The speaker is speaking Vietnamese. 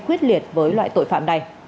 quyết liệt với loại tội phạm này